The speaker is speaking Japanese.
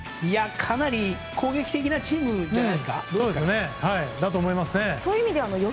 かなり攻撃的なチームじゃないですか。